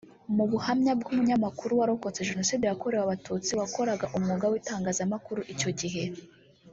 Mu buhamya bw’umunyamakuru warokotse Jenoside yakorewe abatutsi wakoraga umwuga w’itangazamauru icyo gihe